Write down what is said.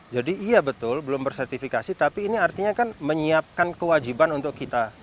jadi iya betul belum bersertifikasi tapi ini artinya kan menyiapkan kewajiban untuk kita